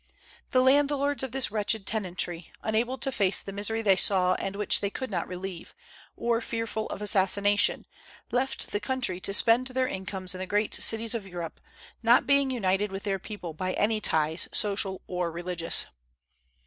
The landlords of this wretched tenantry, unable to face the misery they saw and which they could not relieve, or fearful of assassination, left the country to spend their incomes in the great cities of Europe, not being united with their people by any ties, social or religious.